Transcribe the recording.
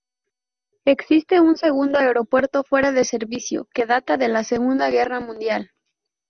Existe un segundo aeropuerto fuera de servicio que data de la Segunda Guerra Mundial.